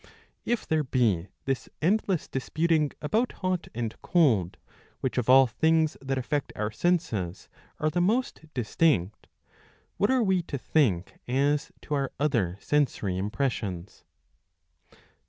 If there be this endless disputing about hot and cold, which of all things that affect our senses are the most distinct, what are we to think as to our other sensory impressions